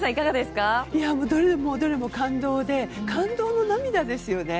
どれも感動で感動の涙ですよね。